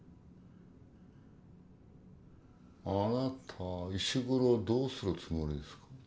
あなた石黒をどうするつもりですか？